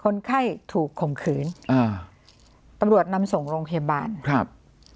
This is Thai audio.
คนไข้ถูกข่มขืนอ่าตำรวจนำส่งโรงพยาบาลครับ